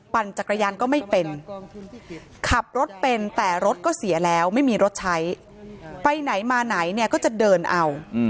จักรยานก็ไม่เป็นขับรถเป็นแต่รถก็เสียแล้วไม่มีรถใช้ไปไหนมาไหนเนี่ยก็จะเดินเอา